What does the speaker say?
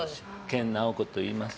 研ナオコといいます。